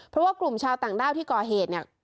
เพราะว่ากลุ่มชาวต่างด้าวที่ก่อเหตุเนี่ย